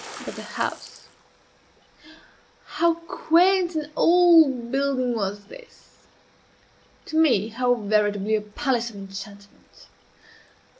But the house how quaint an old building was this! to me how veritably a palace of enchantment!